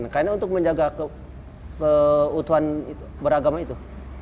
karena untuk menjaga keutuhan beragama itu